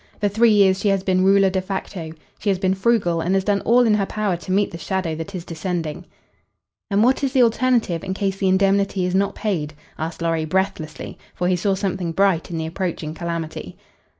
For three years she has been ruler de facto. She has been frugal, and has done all in her power to meet the shadow that is descending." "And what is the alternative in case the indemnity is not paid?" asked Lorry, breathlessly, for he saw something bright in the approaching calamity.